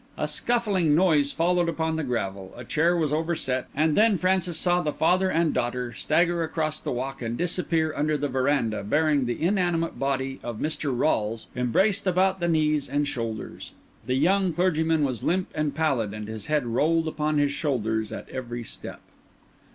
A scuffling noise followed upon the gravel, a chair was overset, and then Francis saw the father and daughter stagger across the walk and disappear under the verandah, bearing the inanimate body of Mr. Rolles embraced about the knees and shoulders. The young clergyman was limp and pallid, and his head rolled upon his shoulders at every step.